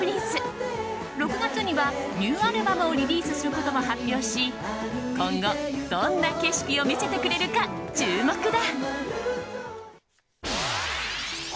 ６月にはニューアルバムもリリースすることも発表し今後どんな景色を見せてくれるか注目だ。